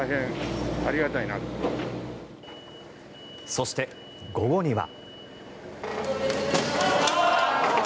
そして、午後には。